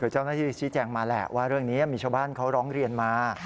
เจ้าหน้าที่ชี้แจงมาแหละว่าเรื่องนี้มีชาวบ้านเขาร้องเรียนมา